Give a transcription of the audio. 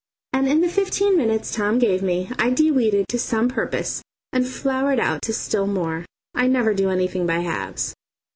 And in the fifteen minutes Tom gave me I de weeded to some purpose and flowered out to still more. I never do anything by halves.